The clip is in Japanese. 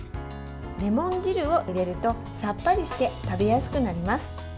レモン汁を入れるとさっぱりして食べやすくなります。